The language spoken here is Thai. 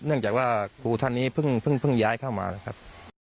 เนื่องจากว่าครูท่านนี้เพิ่งย้ายเข้ามานะครับ